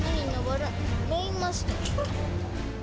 メインマスト。